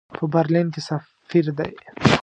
په برلین کې سفیر دی.